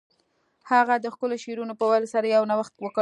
هغه د ښکلو شعرونو په ویلو سره یو نوښت وکړ